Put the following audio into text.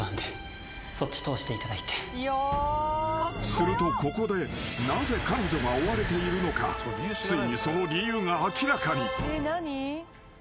［するとここでなぜ彼女が追われているのかついにその理由が明らかに］